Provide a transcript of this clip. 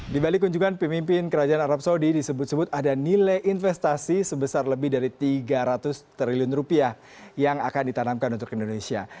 di balik kunjungan pemimpin kerajaan arab saudi disebut sebut ada nilai investasi sebesar lebih dari tiga ratus triliun rupiah yang akan ditanamkan untuk indonesia